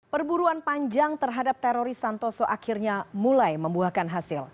perburuan panjang terhadap teroris santoso akhirnya mulai membuahkan hasil